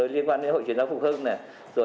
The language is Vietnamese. liên quan đến hội chuyển giáo phục hưng